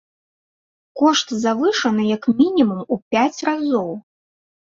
Кошт завышаны як мінімум у пяць разоў!